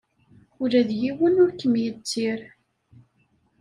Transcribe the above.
Ula d yiwen ur kem-yettir.